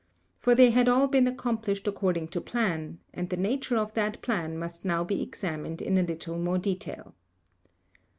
For they had all been accomplished according to plan; and the nature of that plan must now be examined in a little more detail.